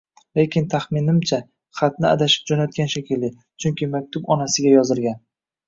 Lekin taxminimcha xatni adashib jo`natgan shekilli, chunki maktub onasiga yozilgan